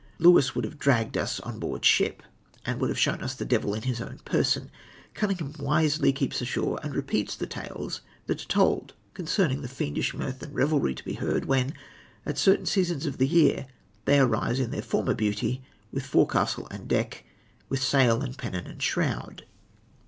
Lewis would have dragged us on board ship, and would have shown us the devil in his own person. Cunningham wisely keeps ashore, and repeats the tales that are told concerning the fiendish mirth and revelry to be heard, when, at certain seasons of the year, they arise in their former beauty, with forecastle and deck, with sail and pennon and shroud.